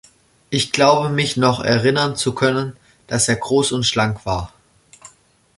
Ich glaube mich noch erinnern zu können, dass er groß und schlank war.